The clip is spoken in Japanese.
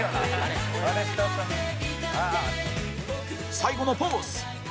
最後のポーズ